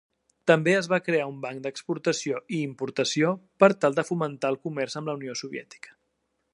També es va crear un banc d'exportació i importació per tal de fomentar el comerç amb la Unió Soviètica.